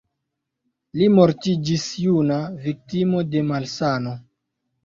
Li mortiĝis juna, viktimo de malsano.